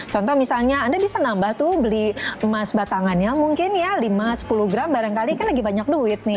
contoh misalnya anda bisa nambah tuh beli emas batangannya mungkin ya lima sepuluh gram barangkali kan lagi banyak duit nih